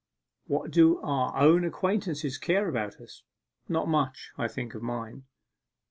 What do our own acquaintances care about us? Not much. I think of mine.